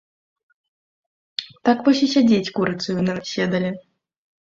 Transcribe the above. Так вось і сядзець курыцаю на седале.